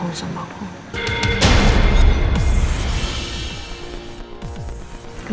dan sampai jumpa